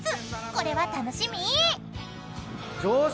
［これは楽しみ！］